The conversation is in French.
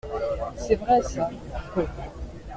C'est vrai, ça …